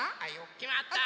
きまった！